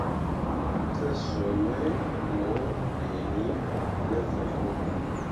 Tesũũ mai mo dǝǝni ne vããɓo.